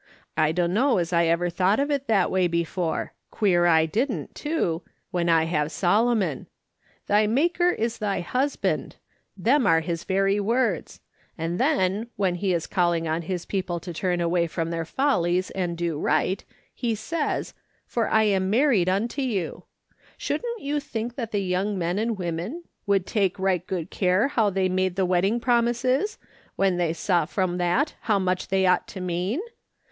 I dunno as I ever thought of it that way before ; queer I didn't, too, when I have Solomon. 'Thy Maker is thy husband'; them are his very words ; and then, when he is calling on his people to turn away from their 64 AfKS. SOLOMON SMITH LOOKING ON. follies and do right, he says, ' For I am married unto you/ Shouldn't yc.u think that the young men and women would take right good care how they made the wedding promises, when they saw from that how much they ought to mean